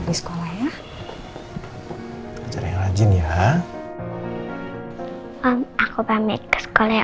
kalyankuvo tidak terburu buru me wandari tee gang mon that itu mudah berubah